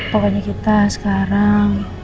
pokoknya kita sekarang